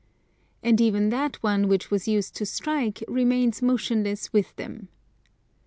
And even that one which was used to strike remains motionless with them.